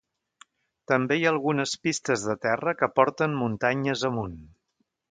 També hi ha algunes pistes de terra que porten muntanyes amunt.